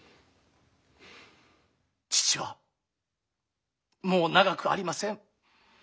父はもう長くありません。